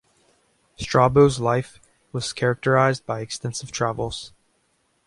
Strabo's life was characterized by extensive travels.